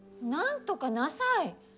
なんとかなさい！